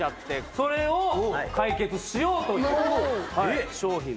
それを解決しようという商品です。